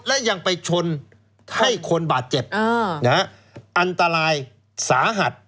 และยังไปชนให้คนบาดเจ็บอันตรายสาหัส